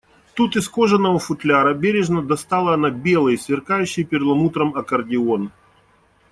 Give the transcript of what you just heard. Тут из кожаного футляра бережно достала она белый, сверкающий перламутром аккордеон